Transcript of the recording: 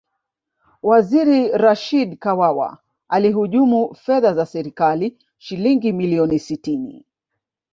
waziri rashid kawawa alihujumu fedha za serikali shilingi milioni sitini